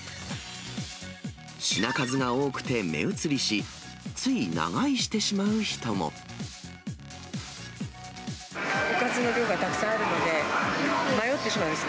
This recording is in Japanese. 品数が多くて目移りし、おかずの量がたくさんあるので、迷ってしまいます。